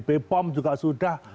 bp pom juga sudah